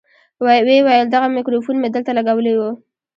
ويې ويل دغه ميکروفون مې دلته لګولى و.